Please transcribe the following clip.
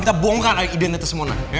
kita bongkar identitas mona